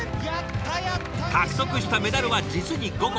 獲得したメダルは実に５個！